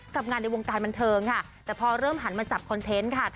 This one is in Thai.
กับงานในวงการบันเทิงค่ะแต่พอเริ่มหันมาจับคอนเทนต์ค่ะ